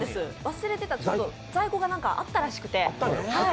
忘れてた在庫があったらしくて。